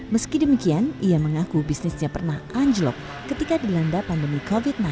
meski demikian ia mengaku bisnisnya pernah anjlok ketika dilanda pandemi covid sembilan belas